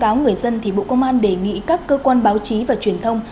trong nội dung cáo người dân thì bộ công an đề nghị các cơ quan báo chí và truyền thông